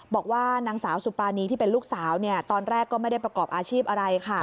บอกว่านางสาวสุปรานีที่เป็นลูกสาวตอนแรกก็ไม่ได้ประกอบอาชีพอะไรค่ะ